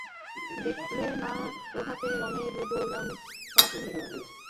দেখলে না ও-হাতে রংয়ের গোলাম কাঁটুলে?